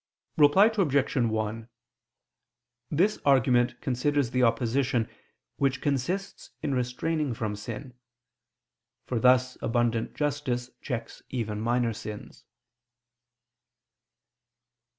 Reply Obj. 1: This argument considers the opposition which consists in restraining from sin; for thus abundant justice checks even minor sins.